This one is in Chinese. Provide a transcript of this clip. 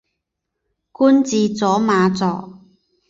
官至左马助。